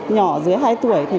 nhỏ dưới hai tuổi